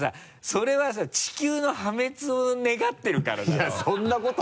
それはさ地球の破滅を願ってるからだろ？